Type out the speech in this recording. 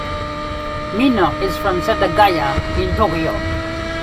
Mino is from Setagaya in Tokyo.